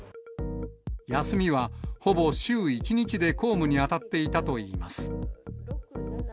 休みはほぼ週１日で、公務に当たっていたといいます。